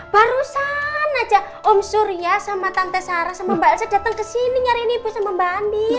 barusan aja om surya sama tante sarah sama mbak elsa datang kesini nyariin ibu sama mbak andin